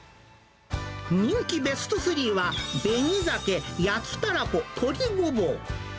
人気ベスト３は紅鮭、焼きたらこ、鶏ごぼう。